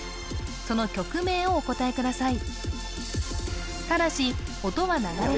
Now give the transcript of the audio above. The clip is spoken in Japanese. その曲名をお答えください・えっ！？